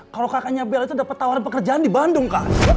kalau kakaknya bella itu dapat tawaran pekerjaan di bandung kak